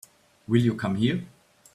Will you come here?